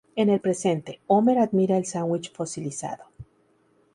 En el presente, Homer admira el sándwich fosilizado.